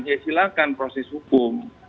ya silahkan proses hukum